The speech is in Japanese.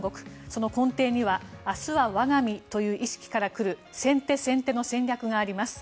その根底には明日は我が身という意識から来る先手先手の戦略があります。